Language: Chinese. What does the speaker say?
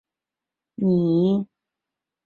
一阵子没看到妳